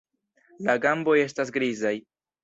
La gamboj estas grizaj.